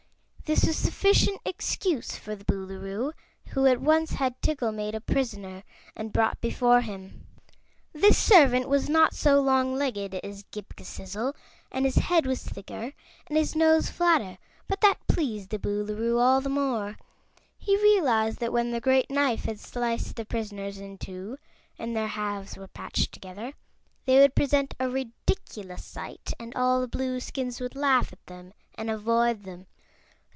This was sufficient excuse for the Boolooroo, who at once had Tiggle made a prisoner and brought before him. This servant was not so long legged as Ghip Ghisizzle and his head was thicker and his nose flatter. But that pleased the Boolooroo all the more. He realized that when the great knife had sliced the prisoners in two, and their halves were patched together, they would present a ridiculous sight and all the Blueskins would laugh at them and avoid them.